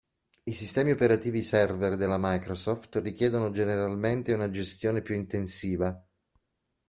I sistemi operativi server della Microsoft richiedono generalmente una gestione più intensiva.